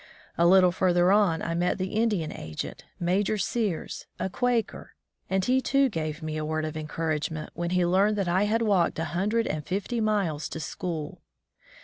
A little further on I met the Indian agent, Major Sears, a Quaker, and he, too, gave me a word of encouragement when he learned that I had walked a hundred and fifty miles to school.